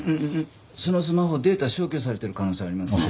そのスマホデータ消去されてる可能性ありますね。